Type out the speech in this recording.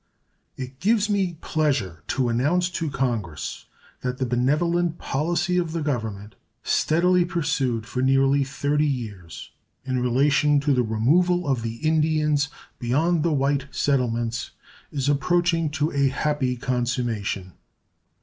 It gives me pleasure to announce to Congress that the benevolent policy of the Government, steadily pursued for nearly 30 years, in relation to the removal of the Indians beyond the white settlements is approaching to a happy consummation.